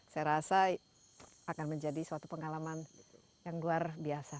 saya rasa akan menjadi suatu pengalaman yang luar biasa